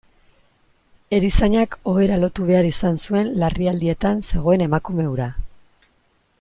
Erizainak ohera lotu behar izan zuen larrialdietan zegoen emakume hura.